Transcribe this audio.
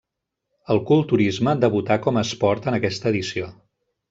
El culturisme debutà com a esport en aquesta edició.